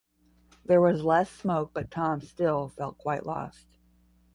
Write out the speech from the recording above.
There was less smoke, but Tom still felt quite lost.